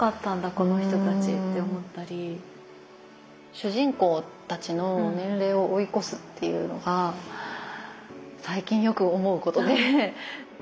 主人公たちの年齢を追い越すっていうのが最近よく思うことで。